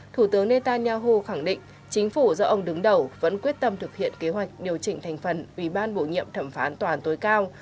thủ tướng netanyahu khẳng định chính phủ do ông đứng đầu vẫn quyết tâm thực hiện kế hoạch điều chỉnh thành phần vì ban bổ nhiệm thẩm phán tòa án tối cao